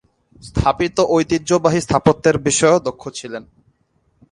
স্থাপিত ঐতিহ্যবাহী স্থাপত্যের বিষয়েও দক্ষ ছিলেন।